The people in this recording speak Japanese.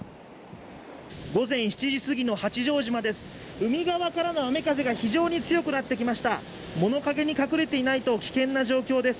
午前７時すぎの八丈島です。